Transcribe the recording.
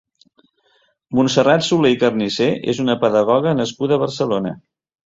Montserrat Soler i Carnicer és una pedagoga nascuda a Barcelona.